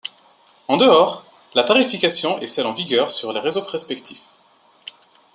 En dehors, la tarification est celle en vigueur sur les réseaux respectifs.